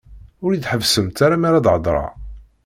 Ur yi-d-ḥebbsemt ara mi ara d-heddṛeɣ.